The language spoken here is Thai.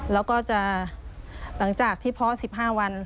แล้วก็จะหลังจากที่เพาะ๑๕วัน